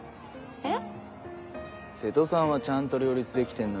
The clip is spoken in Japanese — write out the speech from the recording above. えっ？